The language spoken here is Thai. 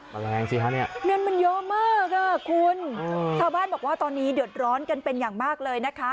แมลงสิฮะเนี่ยเงินมันเยอะมากค่ะคุณชาวบ้านบอกว่าตอนนี้เดือดร้อนกันเป็นอย่างมากเลยนะคะ